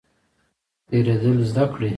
تیریدل زده کړئ